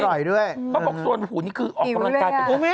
เขาบอกส่วนหูนี่คือออกกำลังกายเป็นที่